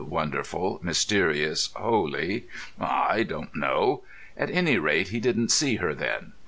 wonderful, mysterious, holy ... I don't know; at any rate he didn't see her then.